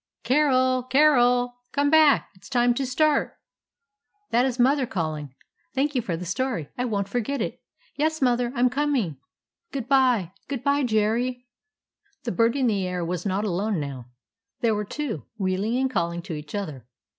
"Carol! Carol! Come back. It is time to start." "That is mother calling. Thank you for the story. I won't forget it. Yes, Mother, I'm coming. Good by! Good by, Jerry!" The bird in the air was not alone now. There were two, wheeling and calling to each other.